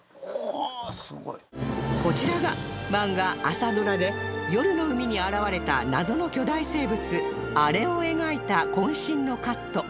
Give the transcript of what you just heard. こちらが漫画『あさドラ！』で夜の海に現れた謎の巨大生物アレを描いた渾身のカット